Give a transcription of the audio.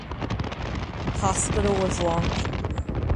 Hospital was long pending.